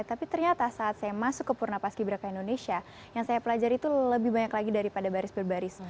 tapi ternyata saat saya masuk ke purna paski beraka indonesia yang saya pelajari itu lebih banyak lagi daripada baris baris